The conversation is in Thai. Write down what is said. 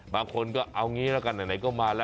บางคนก็เอางี้ละกันไหนก็มาแล้ว